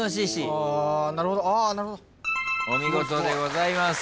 お見事でございます。